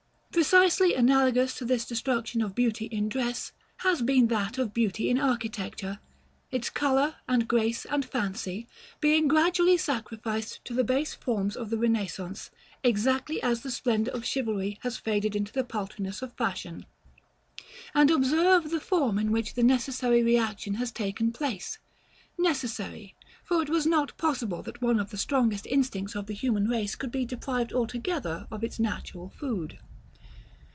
§ XXXIII. Precisely analogous to this destruction of beauty in dress, has been that of beauty in architecture; its color, and grace, and fancy, being gradually sacrificed to the base forms of the Renaissance, exactly as the splendor of chivalry has faded into the paltriness of fashion. And observe the form in which the necessary reaction has taken place; necessary, for it was not possible that one of the strongest instincts of the human race could be deprived altogether of its natural food.